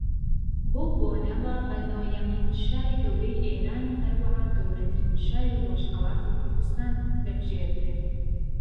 بەو بۆنەوە بە نۆیەمین شاری گەورەی ئێران و ھەروەھا گەورەترین شاری ڕۆژھەڵاتی کوردستان دەبژێردرێ